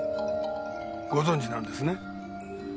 ご存じなんですね？